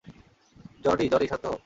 Johnny, Johnny, শান্ত হও।